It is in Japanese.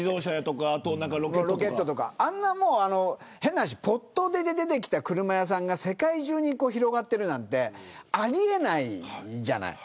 ロケットとか電気自動車とか変な話、ぽっと出で出てきた車屋さんが世界中に広まってるなんてあり得ないじゃない。